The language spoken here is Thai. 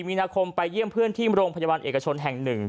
มีนาคมไปเยี่ยมเพื่อนที่โรงพยาบาลเอกชนแห่ง๑